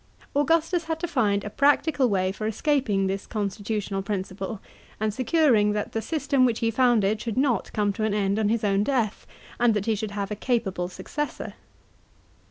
Augustus had to find a practical way for escaping this constitutional principle, and secur ing that the system which he founded should not come to an end on his own death and that he should have a capable successor.